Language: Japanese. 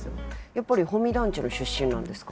やっぱり保見団地の出身なんですか？